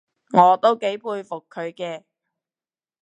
我都幾佩服佢嘅